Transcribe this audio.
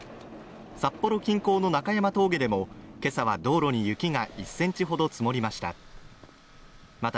札幌近郊の中山峠でも、今朝は道路に雪が１ｃｍほど積もりました。